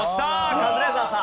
カズレーザーさん。